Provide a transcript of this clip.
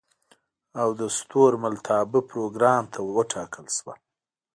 او د ستورملتابه پروګرام ته وټاکل شوه.